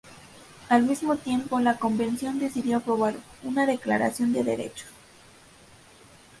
Al mismo tiempo, la convención decidió aprobar una declaración de derechos.